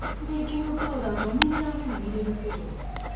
ベーキングパウダーと水あめも入れるけど。